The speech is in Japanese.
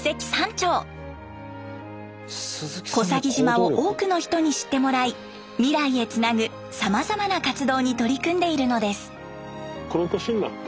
小佐木島を多くの人に知ってもらい未来へつなぐさまざまな活動に取り組んでいるのです。